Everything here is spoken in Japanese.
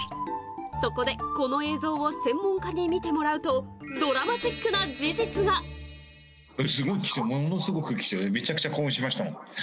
そこで、この映像を専門家に見てもらうと、これ、すごい貴重、ものすごい貴重、めちゃくちゃ興奮しましたもん。